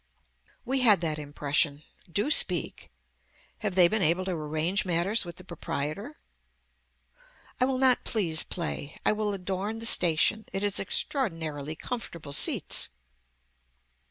We had that impression. Do speak. Have they been able to arrange matters with the proprietor. I will not please play. I will adorn the station. It has extraordinarily comfortable seats.